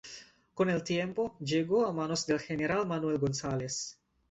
Con el tiempo llegó a manos del general Manuel González.